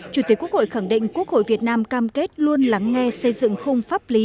chủ tịch quốc hội khẳng định quốc hội việt nam cam kết luôn lắng nghe xây dựng khung pháp lý